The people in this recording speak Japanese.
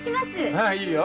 ああいいよ。